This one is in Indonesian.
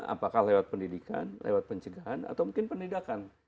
apakah lewat pendidikan lewat pencegahan atau mungkin pendidikan